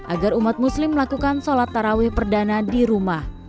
agar umat muslim melakukan sholat taraweh perdana di rumah